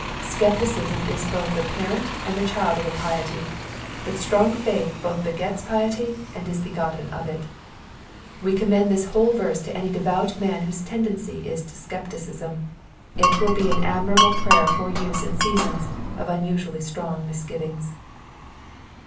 Scepticism is both the parent and the child of impiety ; but strong faith both begets piety and is begotten of it. We commend this whole verse to any devout man whose tendency is to scep ticism : it will be an admirable prayer for use in seasons of unusually strong misgivings.